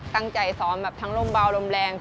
ตั้งใจซ้อมแบบทั้งลมเบาลมแรง